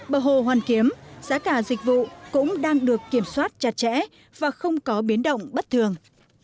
bờ hồ hoàn kiếm giá cả dịch vụ cũng đang được kiểm soát chặt chẽ và không có biến động bất thường